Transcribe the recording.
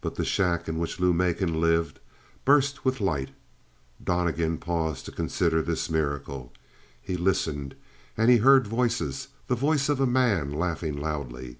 But the shack in which Lou Macon lived burst with light. Donnegan paused to consider this miracle. He listened, and he heard voices the voice of a man, laughing loudly.